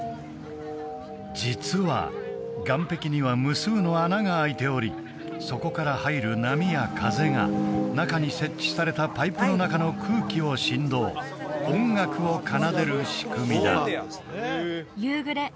実は岸壁には無数の穴があいておりそこから入る波や風が中に設置されたパイプの中の空気を振動音楽を奏でる仕組みだ夕暮れ